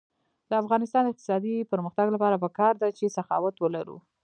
د افغانستان د اقتصادي پرمختګ لپاره پکار ده چې سخاوت ولرو.